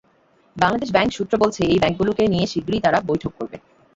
Bangladesh bank সূত্র বলছে, এই ব্যাংকগুলোকে নিয়ে শিগগিরই তারা বৈঠক করবে।